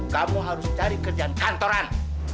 kamu harus cari kerjaan kantoran